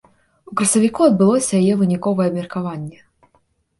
У красавіку адбылося яе выніковае абмеркаванне.